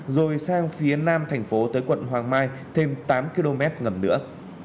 rồi sang phía nam thành phố tới quận hoàng mai thêm tám km ngầm nữa